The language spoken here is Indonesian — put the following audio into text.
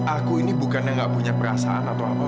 aku ini bukan yang gak punya perasaan atau apa